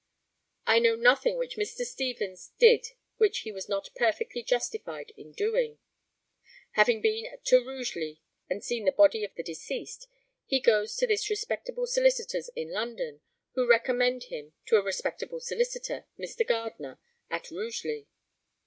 I know nothing which Mr. Stevens did which he was not perfectly justified in doing. Having been to Rugeley and seen the body of the deceased, he goes to his respectable solicitors in London, who recommend him to a respectable solicitor, Mr. Gardner, at Rugeley.